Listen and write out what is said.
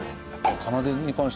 『奏』に関してはね